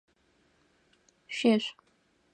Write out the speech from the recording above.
Шъуешъу!